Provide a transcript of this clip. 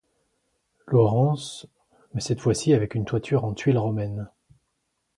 Laurens, mais, cette fois, ci avec une toiture en tuiles romaines.